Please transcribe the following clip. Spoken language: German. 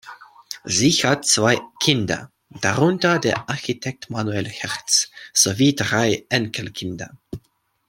Sie hat zwei Kinder, darunter der Architekt Manuel Herz, sowie drei Enkelkinder.